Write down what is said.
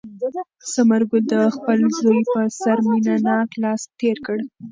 ثمر ګل د خپل زوی په سر مینه ناک لاس تېر کړ.